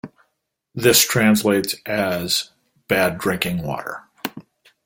This translates as "bad drinking water".